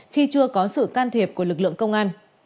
khi chưa có sự can thiệp của lực lượng công an